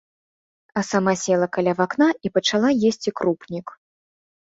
А сама села каля вакна і пачала есці крупнік.